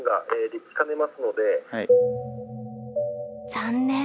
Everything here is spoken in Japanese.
残念！